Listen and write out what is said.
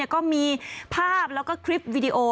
ก็มีภาพแล้วก็คลิปวิดีโอ